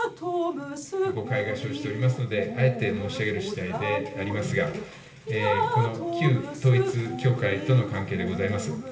誤解が生じておりますので、あえて申し上げる次第でありますが、この旧統一教会との関係でございます。